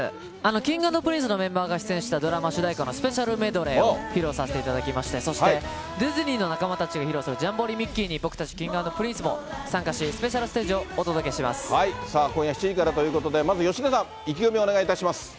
Ｋｉｎｇ＆Ｐｒｉｎｃｅのメンバーが出演したドラマ主題歌のスペシャルメドレーを披露させていただきまして、そしてディズニーの仲間たちが披露するジャンボリミッキー！に僕たち、Ｋｉｎｇ＆Ｐｒｉｎｃｅも参加して、スペシャルステージを今夜７時からということで、まず芳根さん、意気込みをお願いいたします。